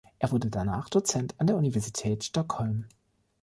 Er wurde danach Dozent an der Universität Stockholm.